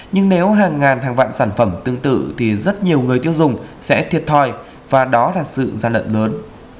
nhưng nếu hàng ngàn hàng vạn sản phẩm tương tự thì rất nhiều người tiêu dùng sẽ thiệt thòi và đó là sự gian lận lớn